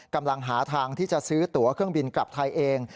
กำลังหาทางที่จะซื้อตัวเครื่องบินกลับไทยเอง